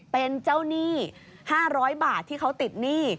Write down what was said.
เป็นเจ้าหนี้๕๐๐บาทที่เขาติดหนี้